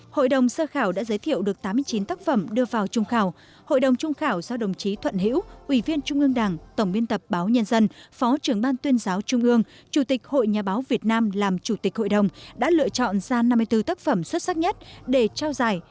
hội đồng sơ khảo đã giới thiệu được tám mươi chín tác phẩm đưa vào trung khảo hội đồng trung khảo do đồng chí thuận hiễu ủy viên trung ương đảng tổng biên tập báo nhân dân phó trưởng ban tuyên giáo trung ương chủ tịch hội nhà báo việt nam làm chủ tịch hội đồng đã lựa chọn ra năm mươi bốn tác phẩm xuất sắc nhất để trao giải